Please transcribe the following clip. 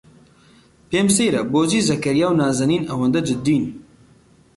پێم سەیرە بۆچی زەکەریا و نازەنین ئەوەندە جددین.